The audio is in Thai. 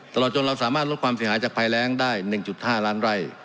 ตลอดจนเราสามารถลดความเสียหายจากภัยแรงได้๑๕ล้านไร่